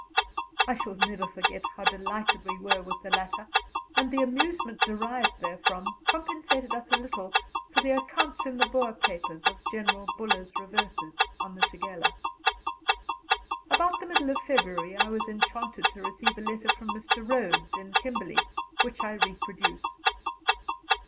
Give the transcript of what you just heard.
I shall never forget how delighted we were with the latter, and the amusement derived therefrom compensated us a little for the accounts in the Boer papers of General Buller's reverses on the Tugela. About the middle of February I was enchanted to receive a letter from Mr. Rhodes, in Kimberley, which I reproduce.